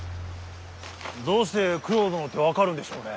どうして九郎殿って分かるんでしょうね。